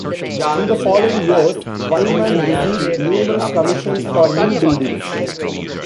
In the following years, Wyman received numerous commissions for new buildings.